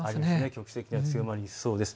局地的には強まりそうです。